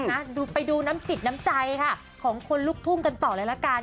นะดูไปดูน้ำจิตน้ำใจค่ะของคนลุกทุ่งกันต่อเลยละกัน